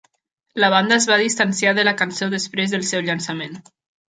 La banda es va distanciar de la cançó després del seu llançament.